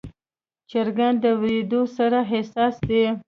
چرګان د وریدو سره حساس دي.